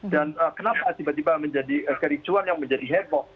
dan kenapa tiba tiba menjadi kericuan yang menjadi heboh